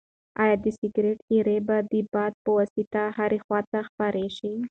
ایا د سګرټ ایرې به د باد په واسطه هرې خواته خپرې شي؟